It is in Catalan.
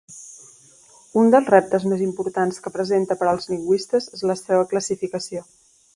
Un dels reptes més importants que presenta per als lingüistes és la seva classificació.